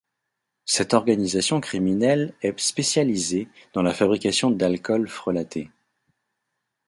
Cette organisation criminelle est spécialisée dans la fabrication d'alcool frelaté.